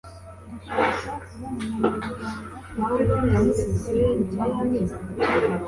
Ndashaka kubonana na muganga kubyerekeye igifu cyanjye.